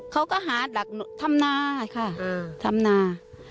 เขาก็หาทำนาครับทำนา